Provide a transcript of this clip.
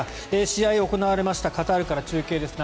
試合が行われましたカタールから中継です。